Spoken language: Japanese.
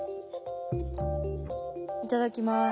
いただきます。